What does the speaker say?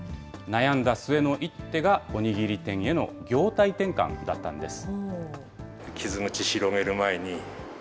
悩んだ末の一手がお握り店への業態転換だったんです。